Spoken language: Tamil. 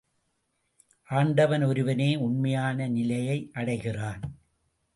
ஆண்டவன் ஒருவனே உண்மையான நிலையை அடைகிறான்.